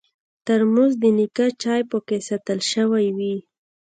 ترموز د نیکه چای پکې ساتل شوی وي.